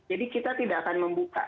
kita tidak akan membuka